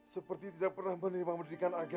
seperti tidak pernah menerima pendidikan agama